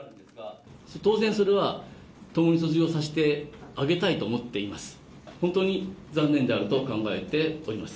当然、それは共に卒業させてあげたいと思っています。